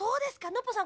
ノッポさん